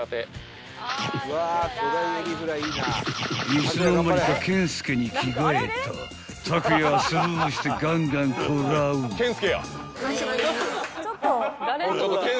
［いつの間にか健介に着替えたたくやはスルーしてガンガン食らう］ん！